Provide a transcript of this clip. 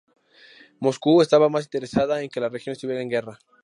Moscú estaba más interesada en que la región estuviera en guerra.